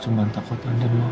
cuman takut anda merah